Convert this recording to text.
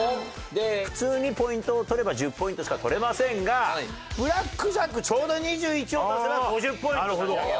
普通にポイントを取れば１０ポイントしか取れませんがブラックジャックちょうど２１を出したら５０ポイント差し上げます。